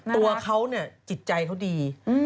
ตัวเขาเนี่ยจิตใจเขาดี